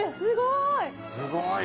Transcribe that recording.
すごい。